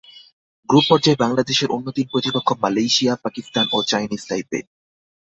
Group পর্যায়ে বাংলাদেশের অন্য তিন প্রতিপক্ষ মালয়েশিয়া, পাকিস্তান ও চায়নিজ তাইপে।